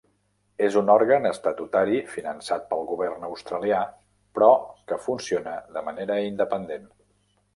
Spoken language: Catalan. És un òrgan estatutari finançat pel govern australià, però que funciona de manera independent.